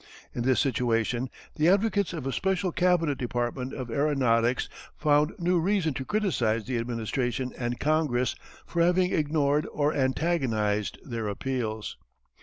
In this situation the advocates of a special cabinet department of aeronautics found new reason to criticize the Administration and Congress for having ignored or antagonized their appeals.